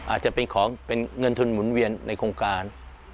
อาจจะเป็นเงินทุนหมุนเวียนในโครงการ